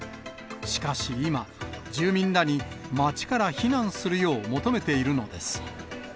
しかし今、住民らに街から避難するよう求めているのです。